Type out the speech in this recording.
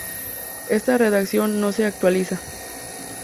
Esta redacción no se actualiza.